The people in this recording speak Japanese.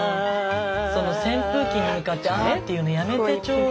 その扇風機に向かってアーっていうのやめてちょうだい。